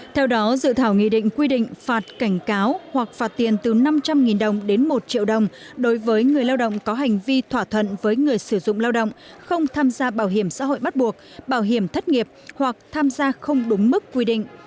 theo đó dự thảo nghị định quy định phạt cảnh cáo hoặc phạt tiền từ năm trăm linh đồng đến một triệu đồng đối với người lao động có hành vi thỏa thuận với người sử dụng lao động không tham gia bảo hiểm xã hội bắt buộc bảo hiểm thất nghiệp hoặc tham gia không đúng mức quy định